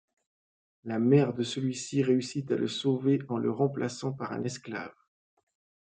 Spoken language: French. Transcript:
La mère de celui-ci réussit à le sauver en le remplaçant par un esclave.